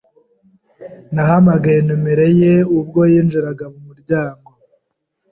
Nahamagaye nimero ye ubwo yinjiraga mu muryango.